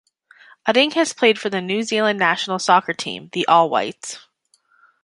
Utting has played for the New Zealand national soccer team, the "All Whites".